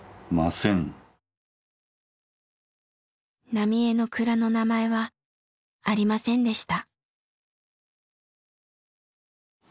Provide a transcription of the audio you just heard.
浪江の蔵の名前はありませんでした。